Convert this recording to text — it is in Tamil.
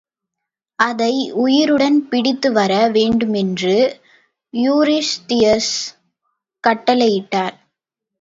அதை உயிருடன் பிடித்து வர வேண்டுமென்று யூரிஸ்தியஸ் கட்டளையிட்டான்.